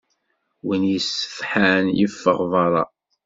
Win yessetḥan yeffeɣ berra.